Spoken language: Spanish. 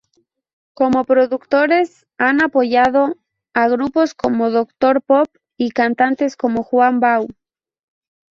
Como productores han apoyado a grupos como Doctor Pop y cantantes como Juan Bau.